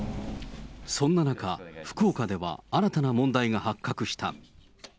そんな中、福岡では新たな問題が発覚した。